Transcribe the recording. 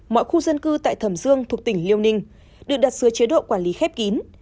mọi khu dân cư tại thẩm dương thuộc tỉnh liêu ninh được đặt dưới chế độ quản lý khép kín